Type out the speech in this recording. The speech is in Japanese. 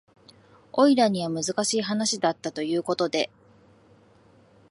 オイラには難しい話だったということで